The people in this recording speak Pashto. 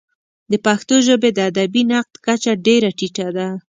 د پښتو ژبې د ادبي نقد کچه ډېره ټیټه ده.